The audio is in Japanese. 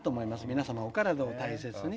皆様お体を大切に」。